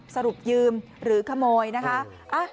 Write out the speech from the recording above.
สรุปยืมหรือขโมยนะคะ